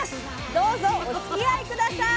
どうぞおつきあい下さい！